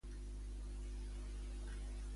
A quina ciutat espanyola va obrir una escola?